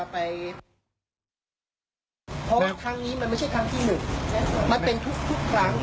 เพราะว่าทางนี้มันไม่ใช่ทางที่หนึ่งมันเป็นทุกครั้ง